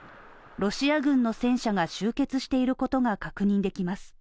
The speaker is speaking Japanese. ロシア軍の戦車が集結していることが確認できます。